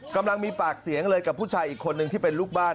กำลังมีปากเสียงเลยกับผู้ชายอีกคนนึงที่เป็นลูกบ้าน